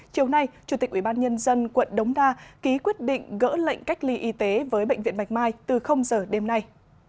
chiều nay chủ tịch ủy ban nhân dân quận đống đa ký quyết định gỡ lệnh cách ly y tế với bệnh viện bạch mai từ giờ đêm nay